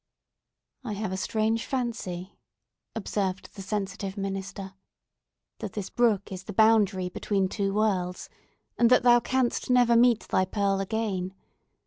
"I have a strange fancy," observed the sensitive minister, "that this brook is the boundary between two worlds, and that thou canst never meet thy Pearl again.